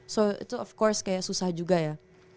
so itu of course kayak susah juga ya